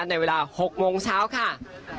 ในเวลา๖โมงเช้าค่ะ